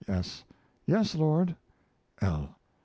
S. Yes, Lord. L.